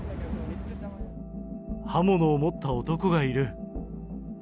刃物を持った男がいる。